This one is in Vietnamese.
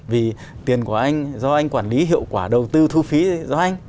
vì tiền của anh do anh quản lý hiệu quả đầu tư thu phí do anh